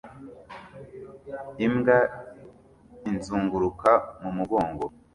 Imbwa izunguruka mu mugongo